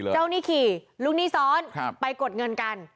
หนี้ขี่ลูกหนี้ซ้อนไปกดเงินกัน